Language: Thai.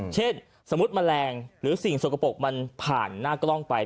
เช่นสมมุติแมลงหรือสิ่งสกปรกมันผ่านหน้ากล้องไป